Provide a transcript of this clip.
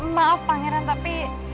maaf pangeran tapi